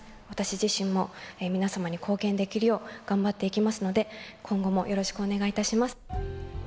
私自身も皆様に貢献できるよう、頑張っていきますので、今後もよろしくお願いいたします。